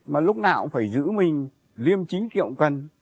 mà lúc nào cũng phải giữ mình liêm chính kiệu cần